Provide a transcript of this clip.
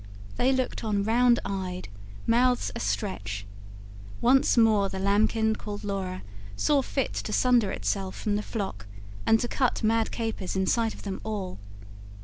They looked on, round eyed, mouths a stretch. Once more, the lambkin called Laura saw fit to sunder itself from the flock, and to cut mad capers in sight of them all.